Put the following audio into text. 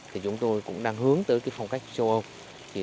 thì chúng tôi cũng đang hướng tới phong cách châu âu